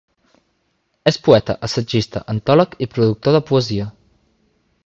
És poeta, assagista, antòleg i traductor de poesia.